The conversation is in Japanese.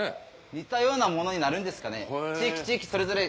似たようなものになるんですかね。